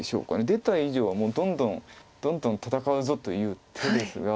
出た以上はもうどんどんどんどん戦うぞという手ですが。